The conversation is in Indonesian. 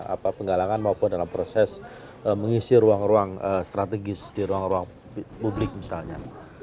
apa penggalangan maupun dalam proses mengisi ruang ruang strategis di ruang ruang publik misalnya